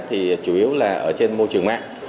thì chủ yếu là ở trên môi trường mạng